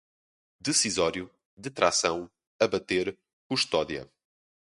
decisório, detração, abater, custódia